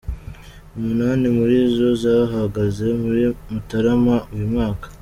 Umunani muri zo zahagaze muri Mutarama uyu mwaka.